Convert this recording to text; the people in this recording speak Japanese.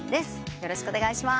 よろしくお願いします。